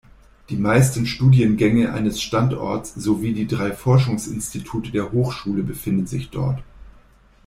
Die meisten Studiengänge eines Standorts sowie die drei Forschungsinstitute der Hochschule befinden sich dort.